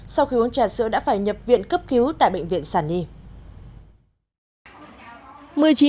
sau khi uống trà sữa đã phải nhập viện cấp cứu tại bệnh viện sản nhi